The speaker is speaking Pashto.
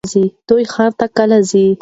دوی ښار ته کله ځي؟